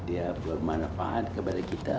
dia bermanfaat kepada kita